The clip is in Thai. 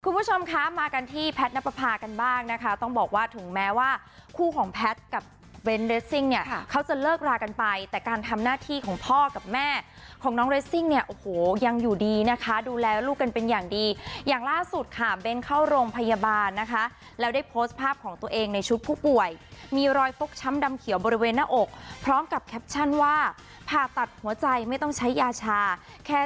คุณผู้ชมคะมากันที่แพทย์นักประพากันบ้างนะคะต้องบอกว่าถึงแม้ว่าคู่ของแพทย์กับเบนเรสซิ่งเนี่ยเขาจะเลิกลากันไปแต่การทำหน้าที่ของพ่อกับแม่ของน้องเรสซิ่งเนี่ยโอ้โหยังอยู่ดีนะคะดูแลลูกกันเป็นอย่างดีอย่างล่าสุดค่ะเบนเข้าโรงพยาบาลนะคะแล้วได้โพสต์ภาพของตัวเองในชุดผู้ป่วยมีรอยโป๊กช้ำดำเข